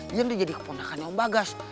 iyan udah jadi kepondakannya om bagas